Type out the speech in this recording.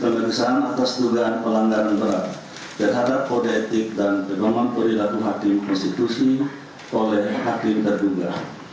berikutnya disebut hakim terduga